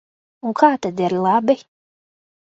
Un kā tad ir labi?